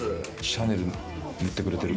シャネル塗ってくれてる。